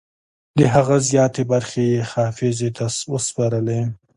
د هغه زیاتې برخې یې حافظې ته وسپارلې.